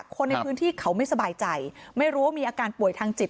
คนในพื้นที่เขาไม่สบายใจไม่รู้ว่ามีอาการป่วยทางจิต